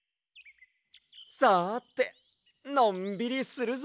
さてのんびりするぞ！